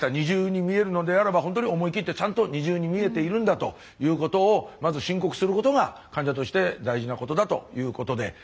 ２重に見えるのであればほんとに思い切ってちゃんと２重に見えているんだということをまず申告することが患者として大事なことだということで。